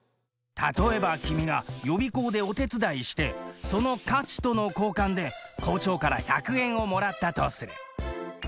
例えば君が予備校でお手伝いしてその価値との交換で校長から１００円をもらったとする。